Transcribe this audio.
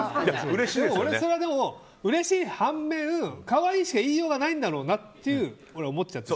でも、うれしい反面可愛いしか言いようがないんだろうなって思っちゃう。